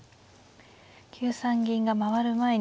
９三銀が回る前に。